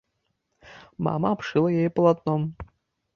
Мама абшыла яе палатном.